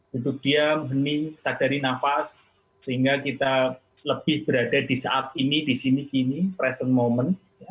duduk diam hening sadari nafas sehingga kita lebih berada di saat ini di sini kini present moment